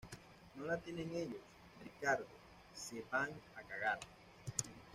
no la tienen ellos. Ricardo, se van a cagar.